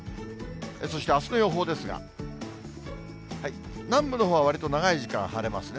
そして、あすの予報ですが、南部のほうはわりと長い時間、晴れますね。